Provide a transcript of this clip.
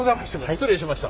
失礼しました。